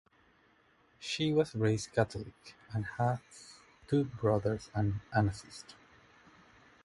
She was raised Catholic and has two brothers and a sister.